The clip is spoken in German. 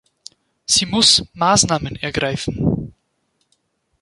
Sie muss Maßnahmen ergreifen.